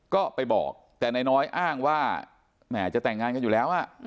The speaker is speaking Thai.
ก็ไปบอกแต่นายน้อยอ้างว่าแหมจะแต่งงานกันอยู่แล้ว